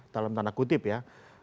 dalam tanda kutip ya